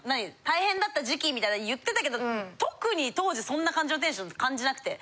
大変だった時期みたいな言ってたけど特に当時そんな感じのテンション感じなくて。